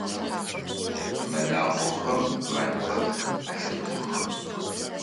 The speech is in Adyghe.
Мэлахъохэм мэлхэр алъытэх.